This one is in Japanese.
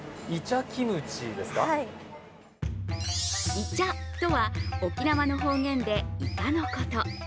「いちゃ」とは沖縄の方言でイカのこと。